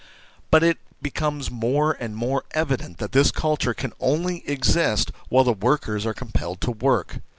But it becomes more and more evident that this culture can only exist while the workers are compelled to work.